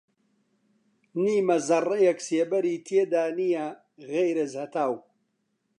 نیمە زەڕڕێک سێبەری تێدا نییە غەیرەز هەتاو